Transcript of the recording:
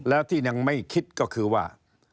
แล้วที่ยังไม่คิดก็คือว่า